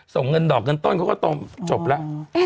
ส่งเงินดอกเงินต้นเขาก็ตรงจบแล้ว